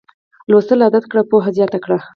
لوستل عادت کړه پوهه زیاته کړه